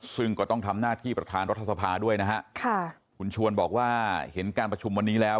ซึ่งก็ต้องทำหน้าที่ประธานรัฐสภาด้วยนะฮะค่ะคุณชวนบอกว่าเห็นการประชุมวันนี้แล้ว